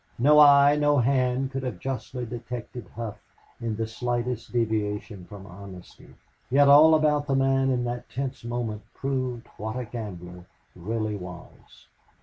No eye, no hand could have justly detected Hough in the slightest deviation from honesty. Yet all about the man in that tense moment proved what a gambler really was.